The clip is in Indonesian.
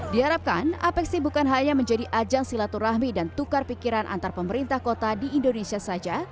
diharapkan apeksi bukan hanya menjadi ajang silaturahmi dan tukar pikiran antar pemerintah kota di indonesia saja